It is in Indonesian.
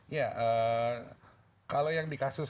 ya kalau yang di kasus